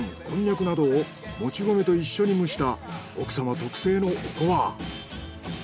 コンニャクなどをもち米と一緒に蒸した奥様特製のおこわ。